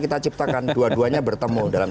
kita ciptakan dua duanya bertemu dalam